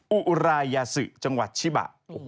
อุรายาสือจังหวัดชิบะ